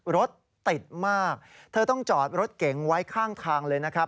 รถติดมากเธอต้องจอดรถเก๋งไว้ข้างทางเลยนะครับ